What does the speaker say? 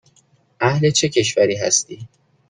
اهل چه کشوری هستی؟